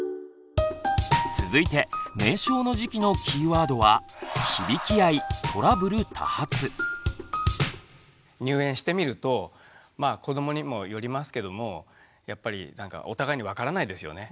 続いて年少の時期のキーワードは入園してみるとまあ子どもにもよりますけどもやっぱりお互いに分からないですよね。